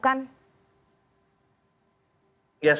sampai kapan ini akan dilakukan